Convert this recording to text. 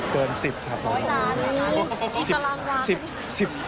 เกินสิบครับผม